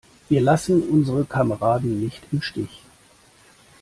Wir lassen unsere Kameraden nicht im Stich!